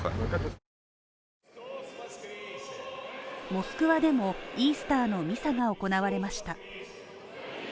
モスクワでもイースターのミサが行われました。